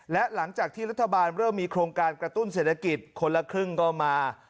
และหลังจากที่รัฐบาลเริ่มมีโครงการกระตุ้นเศรษฐกิจคนละครึ่งก็มา